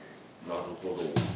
なるほど。